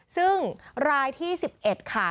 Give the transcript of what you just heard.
ซึ่งรายที่๑๑ค่ะ